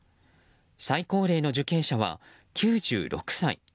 最高齢の受刑者は９６歳。